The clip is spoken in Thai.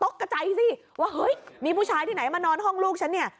กระใจสิว่าเฮ้ยมีผู้ชายที่ไหนมานอนห้องลูกฉันเนี่ย